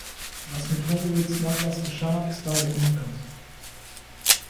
Was mit Horovitz` Nachlass geschah, ist daher unbekannt.